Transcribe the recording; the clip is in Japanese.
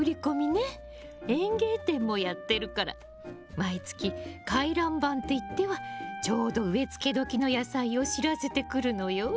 園芸店もやってるから毎月回覧板っていってはちょうど植え付け時の野菜を知らせてくるのよ。